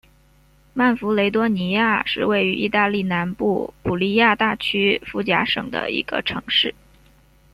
曼弗雷多尼亚是位于义大利南部普利亚大区福贾省的一个城市。